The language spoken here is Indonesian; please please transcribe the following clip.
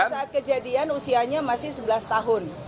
saat kejadian usianya masih sebelas tahun